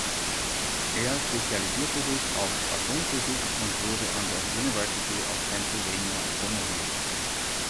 Er spezialisierte sich auf Atomphysik und wurde an der University of Pennsylvania promoviert.